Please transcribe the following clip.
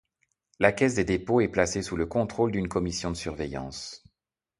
La Caisse des dépôts est placée sous le contrôle d'une commission de surveillance.